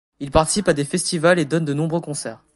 Il participe à des festivals et donne de nombreux concerts.